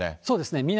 そうですね。